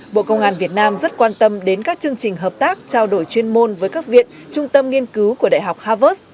bộ công an việt nam rất quan tâm đến các chương trình hợp tác trao đổi chuyên môn với các viện trung tâm nghiên cứu của đại học harvard